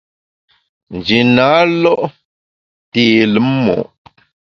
Nji na lo’ té lùm mo’.